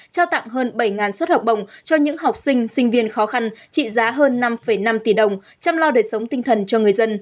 trao tặng hơn bảy suất học bồng cho những học sinh sinh viên khó khăn trị giá hơn năm năm tỷ đồng chăm lo đời sống tinh thần cho người dân